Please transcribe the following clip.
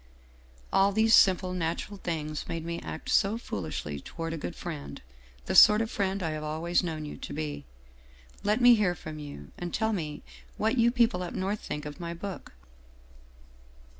All these simple natural things made me act so foolishly toward a good friend, the sort of friend I have always known you to be. Let me hear from you, and tell me what you people up North think of my book.